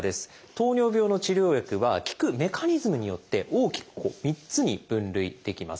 糖尿病の治療薬は効くメカニズムによって大きく３つに分類できます。